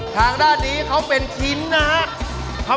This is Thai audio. ทางด้านนี้เขาเป็นชิ้นนะครับ